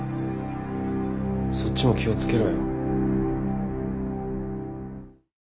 そっちも気をつけろよ。